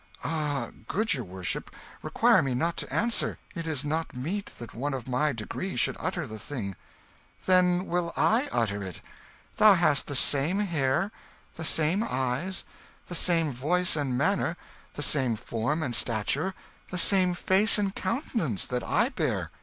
"Ah, good your worship, require me not to answer. It is not meet that one of my degree should utter the thing." "Then will I utter it. Thou hast the same hair, the same eyes, the same voice and manner, the same form and stature, the same face and countenance that I bear.